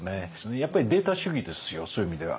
やっぱりデータ主義ですよそういう意味では。